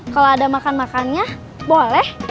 kalau ada makan makannya boleh